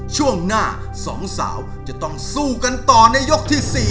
ช่วงหน้าสองสาวจะต้องสู้กันต่อในยกที่๔